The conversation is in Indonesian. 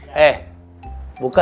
ayo cepetan buka